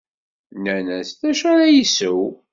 Nnan-as d acu ara isew.